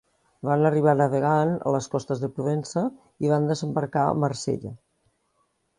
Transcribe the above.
Van arribar navegant a les costes de Provença i van desembarcar a Marsella.